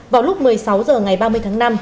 vào lúc một mươi sáu h ngày ba mươi tháng năm